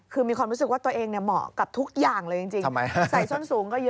คือมีความรู้สึกว่าตัวเองเหมาะกับทุกอย่างเลยจริง